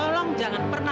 kamu nggak pasti punya